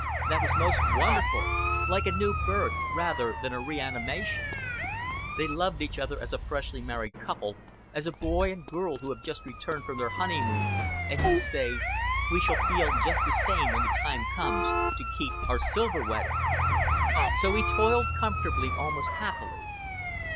That was most wonderful like a new birth, rather than a reanimation. They loved each other as a freshly married couple, as a boy and girl who have just returned from their honeymoon, and who say, "We shall feel just the same when the time comes to keep our silver wedding." So he toiled comfortably, almost happily.